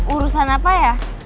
urusan apa ya